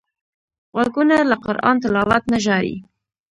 غوږونه له قران تلاوت نه ژاړي